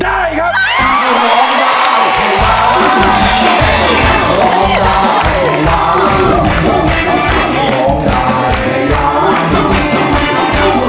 ได้ครับ